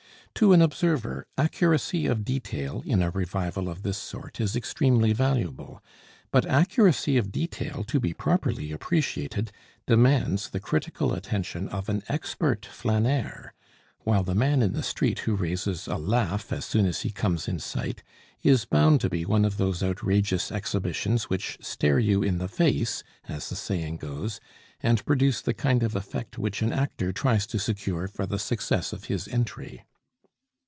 To an observer, accuracy of detail in a revival of this sort is extremely valuable, but accuracy of detail, to be properly appreciated, demands the critical attention of an expert flaneur; while the man in the street who raises a laugh as soon as he comes in sight is bound to be one of those outrageous exhibitions which stare you in the face, as the saying goes, and produce the kind of effect which an actor tries to secure for the success of his entry.